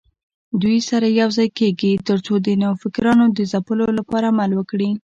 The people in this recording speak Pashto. دوی سره یوځای کېږي ترڅو د نوفکرانو د ځپلو لپاره عمل وکړي